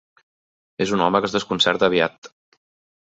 És un home que es desconcerta aviat.